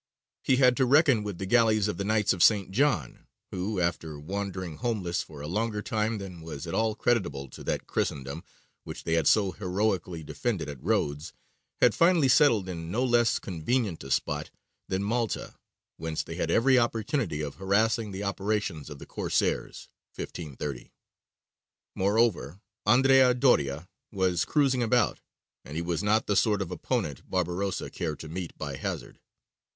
He had to reckon with the galleys of the Knights of St. John, who, after wandering homeless for a longer time than was at all creditable to that Christendom which they had so heroically defended at Rhodes, had finally settled in no less convenient a spot than Malta, whence they had every opportunity of harassing the operations of the Corsairs (1530). Moreover Andrea Doria was cruising about, and he was not the sort of opponent Barbarossa cared to meet by hazard.